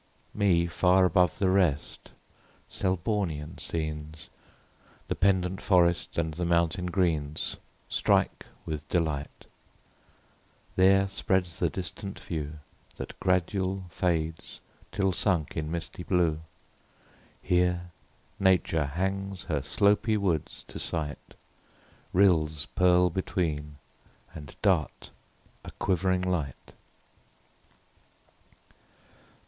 Me far above the rest Selbornian scenes, The pendent forests, and the mountain greens, Strike with delight; there spreads the distant view, That gradual fades till sunk in misty blue: Here Nature hangs her slopy woods to sight, Rills purl between and dart a quivering light.